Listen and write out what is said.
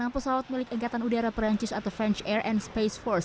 enam pesawat milik angkatan udara perancis atau fans air and space force